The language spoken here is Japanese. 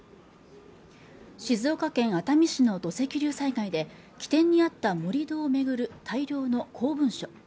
静岡県熱海市の土石流災害で起点にあった盛り土を巡る大量の公文書